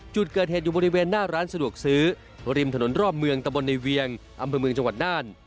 จุดเกิดเหตุอยู่บริเวณหน้าร้านสะดวกซื้อริมถนนรอบเมืองตะบนในเวียงอำเภอเมืองจังหวัดน่าน